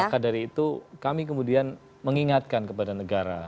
maka dari itu kami kemudian mengingatkan kepada negara